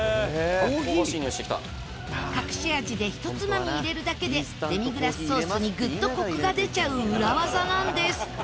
隠し味でひとつまみ入れるだけでデミグラスソースにグッとコクが出ちゃう裏技なんです